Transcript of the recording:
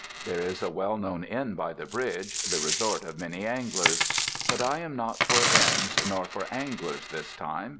There is a well known inn by the bridge, the resort of many anglers. But I am not for inns nor for anglers this time.